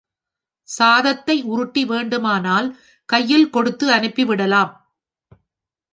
சாதத்தை உருட்டி வேண்டுமானால் கையில் கொடுத்து அனுப்பி விடலாம்.